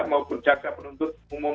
maupun caksa penduduk umum